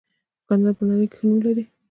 کاناډا په نړۍ کې ښه نوم لري.